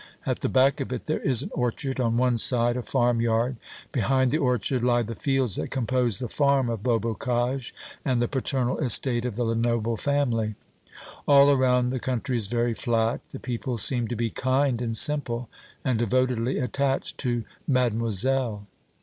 At the back of it there is an orchard; on one side a farmyard; behind the orchard lie the fields that compose the farm of Beaubocage and the paternal estate of the Lenoble family. All around the country is very flat. The people seem to be kind and simple, and devotedly attached to "Mademoiselle."